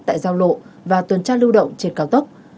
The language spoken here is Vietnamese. tại giao lộ và tuần tra lưu động trên cao tốc